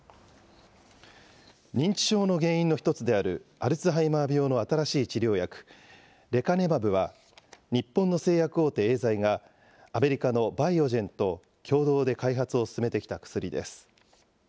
認知症の原因の１つであるアルツハイマー病の新しい治療薬、レカネマブは、日本の製薬大手、エーザイがアメリカのバイオジェンと共同で開発を進めてきた薬です。